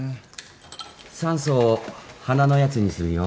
酸素を鼻のやつにするよ